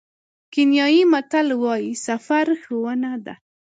کینیايي متل وایي سفر ښوونه ده.